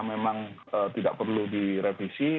memang tidak perlu direvisi